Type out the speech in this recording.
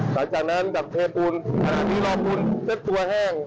หลังจากนั้นกับเทพูลอาหารที่รอพูลเสร็จตัวแห้ง